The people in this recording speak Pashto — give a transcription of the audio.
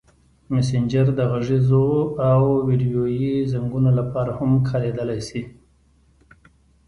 مسېنجر د غږیزو او ویډیويي زنګونو لپاره هم کارېدلی شي.